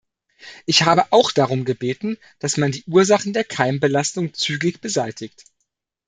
Ich habe auch darum gebeten, dass man die Ursachen der Keimbelastung zügig beseitigt.